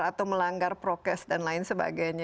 atau melanggar prokes dan lain sebagainya